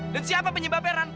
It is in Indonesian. dan siapa penyebabnya ran